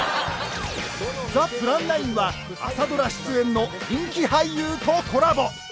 ザ・プラン９は「朝ドラ」出演の人気俳優とコラボ！